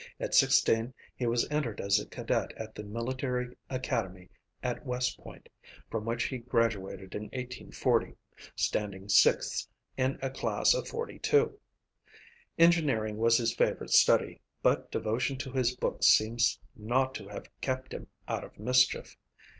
At sixteen, he was entered as a cadet at the Military Academy at West Point, from which he graduated in 1840, standing sixth in a class of 42. Engineering was his favorite study, but devotion to his books seems not to have kept him out of mischief.